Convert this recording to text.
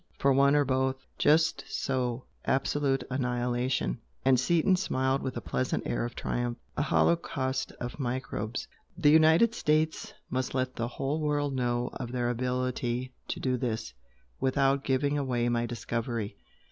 For one or both!" "Just so absolute annihilation!" and Seaton smiled with a pleasant air of triumph "A holocaust of microbes! The United States must let the whole world know of their ability to do this (without giving away my discovery).